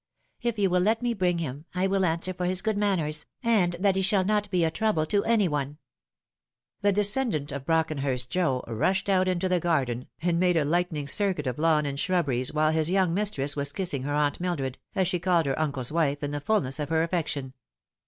If you will let me bring him, I will answer for his good manners, and that he shall not be a trouble to any one " The descendant of Brockenhurst Joe rushed out into the garden, and made a lightning circuit of lawn and shrubberies, while his young mistress was kissing her Aunt Mildred, as she called her uncle's wife in the fulness of her affection.